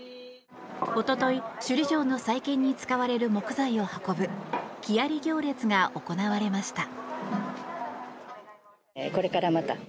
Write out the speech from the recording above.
一昨日、首里城の再建に使われる木材を運ぶ木遣行列が行われました。